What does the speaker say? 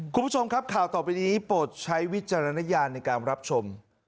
คุณผู้ชมครับข่าวต่อไปนี้โปรดใช้วิจารณญาณในการรับชม